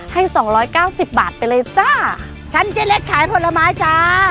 สองร้อยเก้าสิบบาทไปเลยจ้าฉันเจ๊เล็กขายผลไม้จ้า